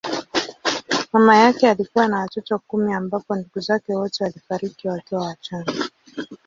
Mama yake alikuwa na watoto kumi ambapo ndugu zake wote walifariki wakiwa wachanga.